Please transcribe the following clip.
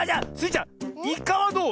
ちゃんイカはどう？